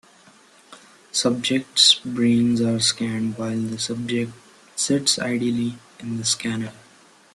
Subjects' brains are scanned while the subject sits idly in the scanner.